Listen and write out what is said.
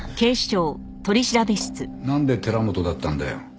なんで寺本だったんだよ？